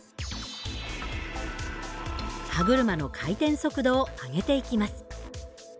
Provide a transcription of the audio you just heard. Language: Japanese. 歯車の回転速度を上げていきます。